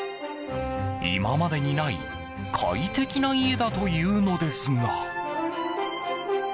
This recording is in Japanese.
今までにない快適な家だというのですが。